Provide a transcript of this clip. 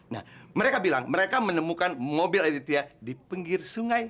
nah mereka bilang mereka menemukan mobil aditya di pinggir sungai